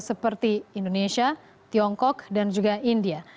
seperti indonesia tiongkok dan juga india